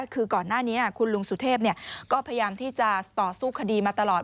คือก่อนหน้านี้คุณลุงสุเทพก็พยายามที่จะต่อสู้คดีมาตลอด